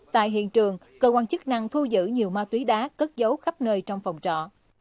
tại hiện trường cơ quan chức năng thu giữ nhiều ma túy đá cất dấu khắp nơi trong phòng trọ